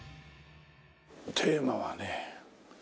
テーマはね。